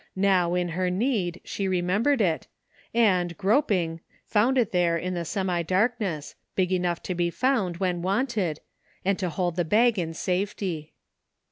Now, in her need, she remembered it, and, groping, found it there in the semi darkness, big enough to be found when wanted, and to hold the bag in safety.